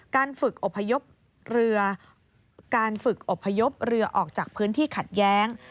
การฝึกอบพยพเรือออกจากพื้นที่ขัดแย้ง